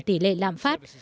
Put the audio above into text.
tỷ lệ lạm phát